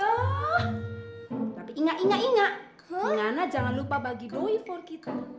oh tapi inga inga inga inga jangan lupa bagi doi for kita